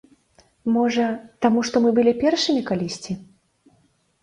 Можа, таму што мы былі першымі калісьці?